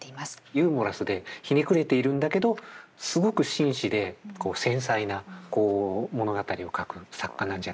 ユーモラスでひねくれているんだけどすごく紳士で繊細な物語を書く作家なんじゃないかなというふうに思っています。